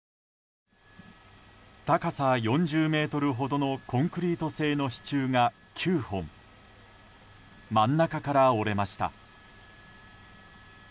高さ４０ｍほどのコンクリート製の支柱が９本真ん中から折れました。